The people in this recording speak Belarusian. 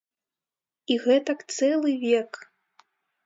І гэтак цэлы век.